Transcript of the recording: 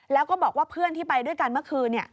แล้วก็บอกว่าเพื่อนที่ไปด้วยกันเมื่อคืน